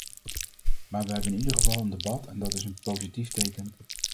Maar we hebben in ieder geval een debat en dat is een positief teken.